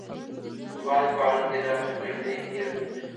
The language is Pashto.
ځوان ژباړن دې دا ټکی هېر نه کړي.